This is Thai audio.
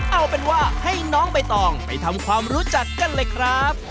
เอาเป็นว่าให้น้องใบตองไปทำความรู้จักกันเลยครับ